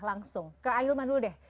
langsung ke ahilman dulu deh